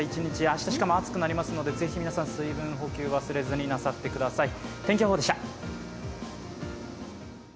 明日しかも暑くなりますので、ぜひ皆さん、水分補給、忘れずになさってください。